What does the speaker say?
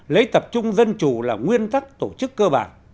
lấy tập trung dân chủ là nguyên tắc tổ chức cơ bản